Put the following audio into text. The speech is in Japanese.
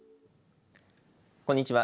こんにちは。